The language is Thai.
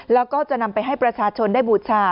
แล้วก็จะนำไปให้ประชาชนได้บูชา